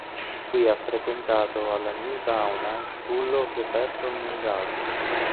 Qui ha frequentato alla Newtown High School of the Performing Arts.